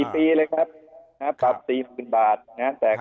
๔ปีเลยครับปรับ๔๐๐๐๐บาทนะ